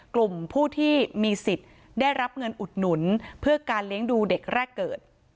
กลุ่มผู้ที่มีสิทธิ์ได้รับเงินอุดหนุนเพื่อการเลี้ยงดูเด็กแรกเกิด